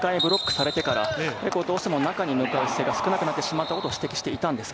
タイムアウト中もＨＣが２回ブロックされてから、どうしても中に向かう姿勢が少なくなってしまったことを指摘していました。